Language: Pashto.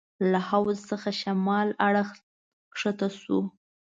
له حوض څخه شمال اړخ کښته شوو.